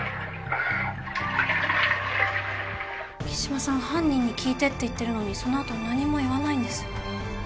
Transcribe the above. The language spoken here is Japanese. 木嶋さん犯人に「聞いて」って言ってるのにその後何も言わないんです。